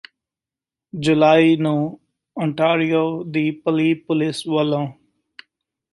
ਜੁਲਾਈ ਨੂੰ ਓਂਟਾਰੀਓ ਦੀ ਪਲੀ ਪੁਲਿਸ ਵਲੋਂ